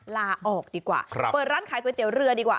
ลาออกดีกว่าเปิดร้านขายก๋วยเตี๋ยวเรือดีกว่า